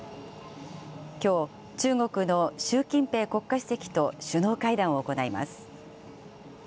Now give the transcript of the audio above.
きょう、中国の習近平国家主席と首脳会談を行います。